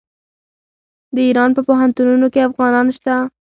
د ایران په پوهنتونونو کې افغانان شته.